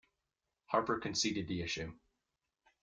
Harper conceded the issue.